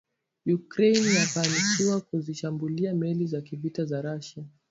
Ukraine yafanikiwa kuzishambulia meli za kivita za Russia